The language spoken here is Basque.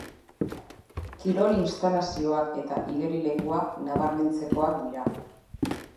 Kirol instalazioak eta igerilekua nabarmentzekoa dira.